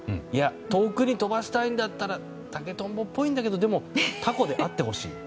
遠くに飛ばしたいんだったら竹とんぼっぽいんだけどでも、たこであってほしい。